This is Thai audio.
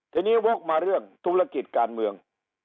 ทีนี้วกมาเรื่องธุรกิจการเมือง